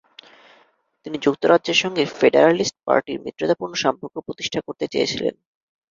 তিনি যুক্তরাজ্যের সঙ্গে ফেডার্যালিস্ট পার্টির মিত্রতাপূর্ণ সম্পর্ক প্রতিষ্ঠা করতে চেয়েছিলেন।